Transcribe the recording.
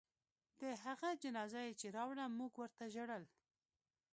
د هغه جنازه چې يې راوړه موږ ورته ژړل.